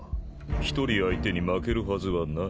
一人相手に負けるはずはない。